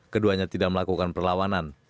keduanya tidak melakukan perlawanan